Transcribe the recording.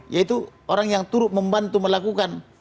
yaitu orang yang turut membantu melakukan